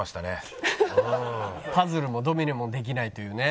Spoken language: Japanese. パズルもドミノもできないというね